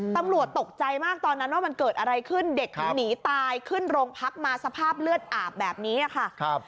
ตกใจมากตอนนั้นว่ามันเกิดอะไรขึ้นเด็กถึงหนีตายขึ้นโรงพักมาสภาพเลือดอาบแบบนี้ค่ะ